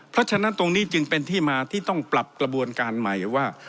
เพราะฉะนั้นตรงนี้จึงเป็นที่มาที่ต้องปรับกระบวนการใหม่ว่า